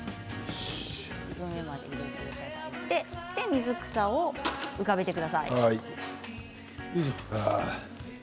水草を浮かべてください。